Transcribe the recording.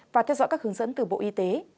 và theo dõi các hướng dẫn từ bộ y tế